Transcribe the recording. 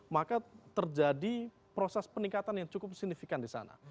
maka terjadi proses peningkatan yang cukup signifikan di sana